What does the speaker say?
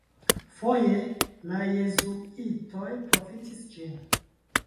Foje la jezuitoj profitis ĝin.